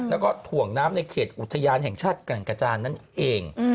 แล้วก็ถ่วงน้ำในเขตอุทยานแห่งชาติแก่งกระจานนั่นเอง